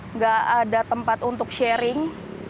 nggak ada tempat untuk sharing